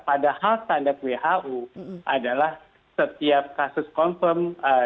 padahal standar who adalah setiap kasus confirm